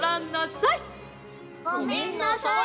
ごめんなさい！